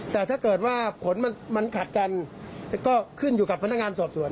แต่ถ้าเกิดว่าผลมันขัดกันก็ขึ้นอยู่กับพนักงานสอบสวน